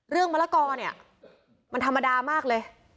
มะละกอเนี่ยมันธรรมดามากเลย